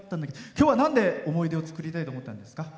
今日はなんで思い出を作りたいと思ったんですか？